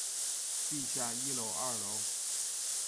地下一楼二楼